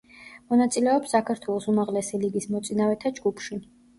მონაწილეობს საქართველოს უმაღლესი ლიგის მოწინავეთა ჯგუფში.